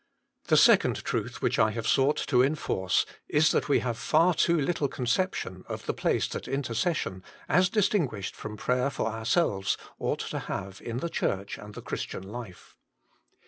The second truth which I have sought to enforce is that we have far too little conception of the place that intercession, as distinguished from prayer for ourselves, ought to have in the Church and the Christian life.